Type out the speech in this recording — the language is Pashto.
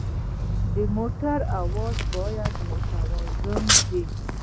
د موټر اواز باید متوازن وي.